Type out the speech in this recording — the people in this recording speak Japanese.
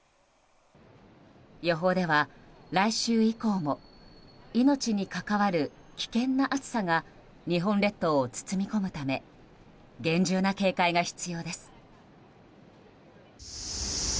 予報では来週以降も命に関わる危険な暑さが日本列島を包み込むため厳重な警戒が必要です。